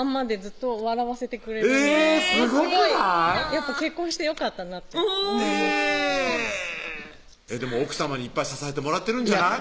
やっぱ結婚してよかったなって思いますでも奥さまにいっぱい支えてもらってるんじゃない？